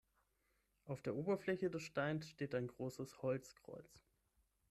Auf der Oberfläche des Steins steht ein großes Holzkreuz.